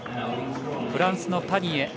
フランスのパニエ。